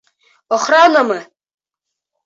Охранамы?